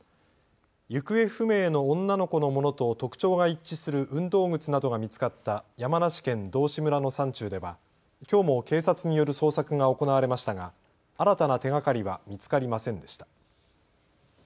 行方不明の女の子のものと特徴が一致する運動靴などが見つかった山梨県道志村の山中ではきょうも警察による捜索が行われましたが新たな手がかりは見つかりませんでした。